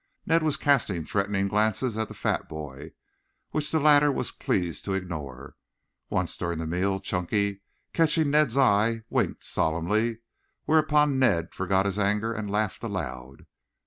Ned was casting threatening glances at the fat boy, which the latter was pleased to ignore. Once during the meal Chunky, chancing to catch Ned's eye, winked solemnly, whereupon Ned forgot his anger and laughed aloud.